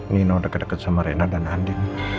nino deket deket sama rena dan handi